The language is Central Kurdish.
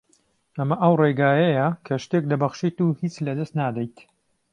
ئەمە ئەو ڕێگایەیە کە شتێک دەبەخشیت و هیچ لەدەست نادەیت